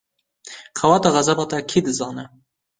Qeweta xezeba te kî dizane?